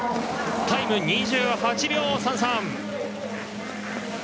タイムは２８秒３３。